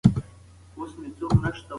مصريان به رانجه له ځان سره ښخاوه.